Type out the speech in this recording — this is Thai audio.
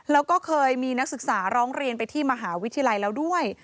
แล้วก็เคยมีนักศึกษาร้องเรียนไปที่มหาวิทยาลัยแล้วด้วย